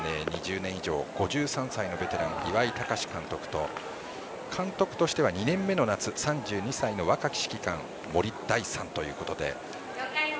監督歴も２０年以上５３歳のベテラン・岩井隆監督と監督としては２年目の夏３２歳の若き指揮官森大さんということで。